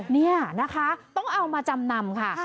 นี่นะคะต้องเอามาจำนำค่ะ